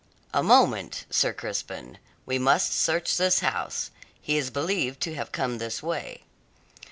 "A moment, Sir Crispin. We must search this house. He is believed to have come this way."